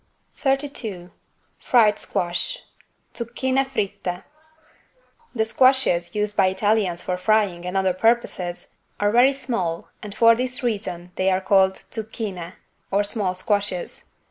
32 FRIED SQUASH (Zucchine fritte) The squashes used by Italians for frying and other purposes are very small, and for this reason they are called "Zucchine" or small squashes.